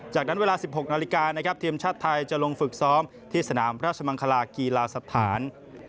จากนั้นเวลา๑๖นาฬิกานะครับทีมชาติไทยจะลงฝึกซ้อมที่สนามราชมังคลากีฬาสถาน